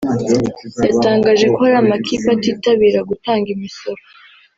yatangaje ko hari amakipe atitabira gutanga imisoro